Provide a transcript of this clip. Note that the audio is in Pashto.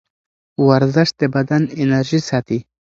ورزش د بدن انرژي ساتي.